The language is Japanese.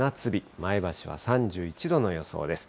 前橋は３１度の予想です。